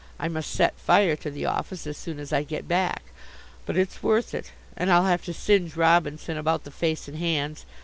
I must set fire to the office as soon as I get back. But it's worth it. And I'll have to singe Robinson about the face and hands.